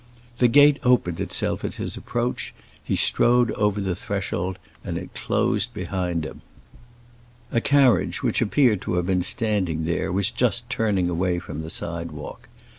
The gate opened itself at his approach; he strode over the threshold and it closed behind him. A carriage which appeared to have been standing there, was just turning away from the sidewalk.